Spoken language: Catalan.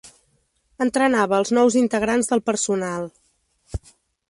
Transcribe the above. Entrenava als nous integrants del personal.